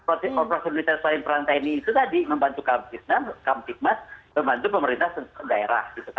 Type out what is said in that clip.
operasi militer selain perang tni itu tadi membantu kampus hikmat membantu pemerintah daerah